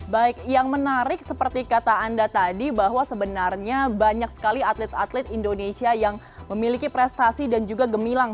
baik yang menarik seperti kata anda tadi bahwa sebenarnya banyak sekali atlet atlet indonesia yang memiliki prestasi dan juga gemilang